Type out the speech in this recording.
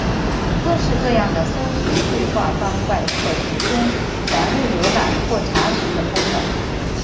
各式各样的搜寻对话方块可提供栏位浏览或查询的功能。